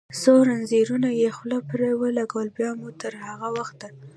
څو زنځیرونه یې خوله پرې ولګوي، بیا مو تر هغه وخت.